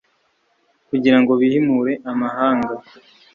kugira ngo bihimure amahanga